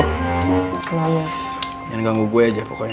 jangan ganggu gue aja pokoknya